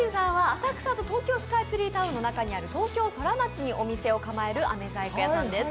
浅草の東京スカイツリータウンの中にある東京ソラマチにお店を構える飴細工屋さんです。